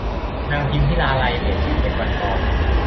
นางพิมพิลาไลยเปลี่ยนชื่อเป็นวันทอง